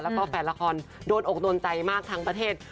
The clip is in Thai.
แล้วก็แฟนละครโดนอกโดนใจมากทั้งประเทศ